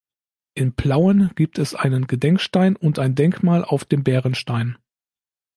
In Plauen gibt es einen Gedenkstein und ein Denkmal auf dem Bärenstein.